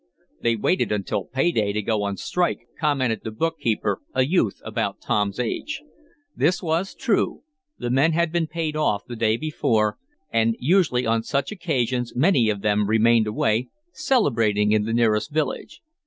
"They waited until pay day to go on strike," commented the bookkeeper, a youth about Tom's age. This was true. The men had been paid off the day before, and usually on such occasions many of them remained away, celebrating in the nearest village.